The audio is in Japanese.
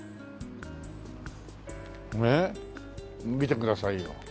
ねえ見てくださいよ。